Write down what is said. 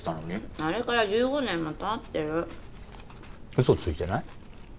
あれから１５年もたってる嘘ついてない？